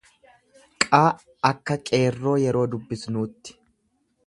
q akka qeerroo yeroo dubbisnuutti.